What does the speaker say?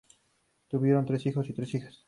Tuvieron tres hijos y tres hijas.